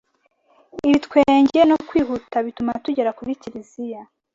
ibitwenge no kwihuta bituma tugera ku kiliziya